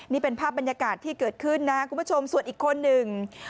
นี่เป็นภาพบรรยากาศที่เกิดขึ้นนะคุณผู้ชมส่วนอีกคนหนึ่ง